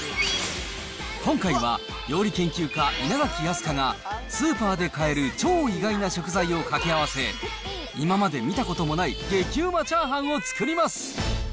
今回は料理研究家、稲垣飛鳥が、スーパーで買える超意外な食材を掛け合わせ、今まで見たこともない激ウマチャーハンを作ります。